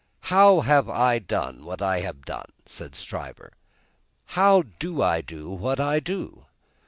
"How have I done what I have done?" said Stryver; "how do I do what I do?"